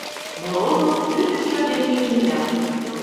Морозов ӱдыржӧ деке мия.